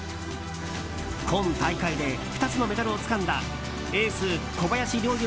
今大会で２つのメダルをつかんだエース小林陵